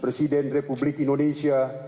presiden republik indonesia